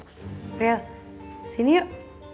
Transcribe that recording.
april sini yuk